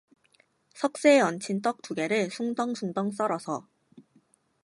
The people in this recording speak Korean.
석쇠에 얹힌 떡 두 개를 숭덩숭덩 썰어서